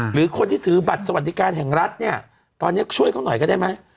หรือคนที่ถือบัตรสวัสดิการแห่งรัฐเนี่ยตอนนี้ช่วยเขาหน่อยก็ได้ไหม